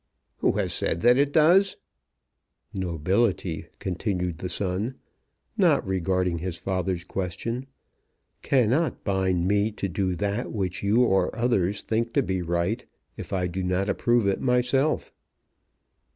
"Who has said that it does?" "Nobility," continued the son, not regarding his father's question, "cannot bind me to do that which you or others think to be right, if I do not approve it myself."